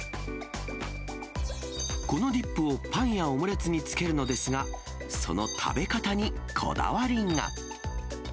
このディップをパンやオムレツにつけるのですが、その食べ方にこだわりが。